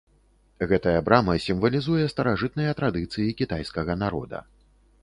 Гэтая брама сімвалізуе старажытныя традыцыі кітайскага народа.